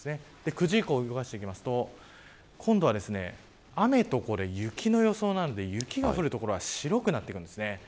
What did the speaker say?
９時以降、動かしていくと雨と雪の予想なんで雪が降る所は白くなってきます。